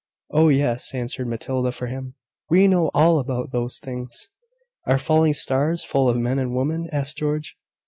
"Oh, yes," answered Matilda for him, "we know all about those things." "Are falling stars all full of men and women?" asked George.